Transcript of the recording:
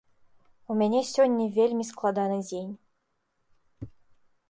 У мяне сёння вельмі складаны дзень.